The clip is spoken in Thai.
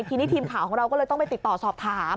ทีนี้ทีมข่าวของเราก็เลยต้องไปติดต่อสอบถาม